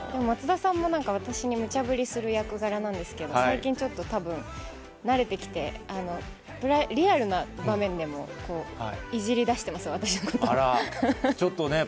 松田さんもなんか私にむちゃぶりする役柄なんですけど、最近ちょっとたぶん、慣れてきて、リアルな場面でも、こう、いじりだしてます、私のことを。